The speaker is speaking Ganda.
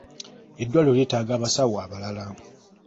Eddwaliro lyetaaga abasawo abalala.